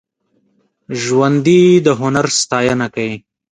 ژوندي د هنر ستاینه کوي